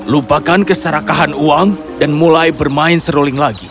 lupakan keserakahan uang dan mulai bermain seruling lagi